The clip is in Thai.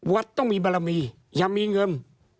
วัดต้องมีบารมีอย่ามีเงิน